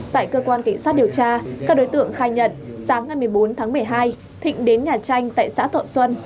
tại cơ quan cảnh sát điều tra các đối tượng khai nhận sáng ngày một mươi bốn tháng một mươi hai thịnh đến nhà tranh tại xã thọ xuân